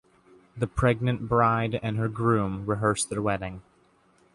The pregnant Bride and her groom rehearse their wedding.